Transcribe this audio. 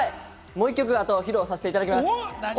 もう１曲、披露させていただきます。